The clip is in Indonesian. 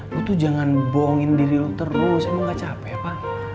lo tuh jangan bohongin diri lo terus emang ga capek apa